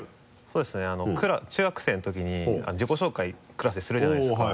そうですね。中学生のときに自己紹介クラスでするじゃないですか。